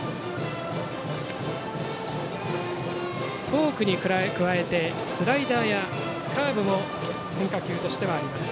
フォークに加えてスライダーやカーブも変化球としてはあります。